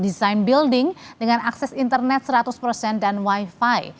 desain building dengan akses internet seratus persen dan wifi